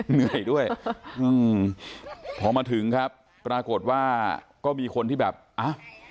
เหนื่อยด้วยอืมพอมาถึงครับปรากฏว่าก็มีคนที่แบบอ้าว